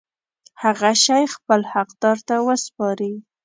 هغه شی خپل حقدار ته وسپاري.